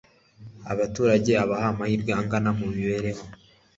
abaturage abaha amahirwe angana mu mibereho